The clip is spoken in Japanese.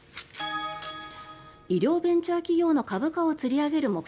医療ベンチャー企業の株価をつり上げる